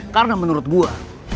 karena menurut gue